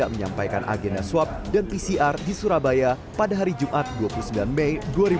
menyampaikan agenda swab dan pcr di surabaya pada hari jumat dua puluh sembilan mei dua ribu dua puluh